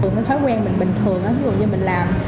cái thói quen mình bình thường ví dụ như mình làm